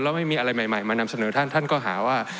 แล้วไม่มีอะไรใหม่มานำเสนอท่านท่านก็หาว่า